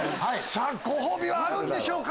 さぁご褒美はあるんでしょうか？